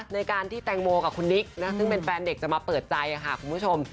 ในการที่แตงโมกับคุณนิกซึ่งเป็นแฟนเด็กจะมาเปิดใจค่ะคุณผู้ชม